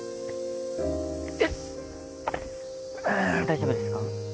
大丈夫ですか？